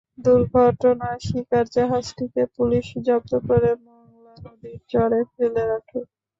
দুর্ঘটনার শিকার জাহাজটিকে পুলিশ জব্দ করে মংলা নদীর চরে ফেলে রাখে।